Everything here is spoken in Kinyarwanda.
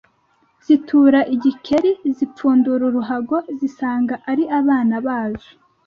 Zitura igikeri, zipfundura uruhago, zisanga ari abana bazo